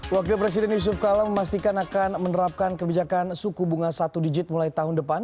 wakil presiden yusuf kala memastikan akan menerapkan kebijakan suku bunga satu digit mulai tahun depan